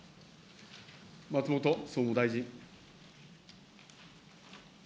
松本総務大臣。